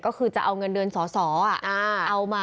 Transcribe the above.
ก็คือจะเอาเงินเดือนสอสอเอามา